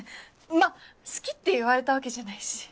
まぁ「好き」って言われたわけじゃないし。